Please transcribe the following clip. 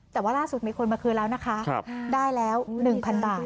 แต่ว่าล่าสุดมีคนมาคืนแล้วนะคะได้แล้ว๑๐๐๐บาท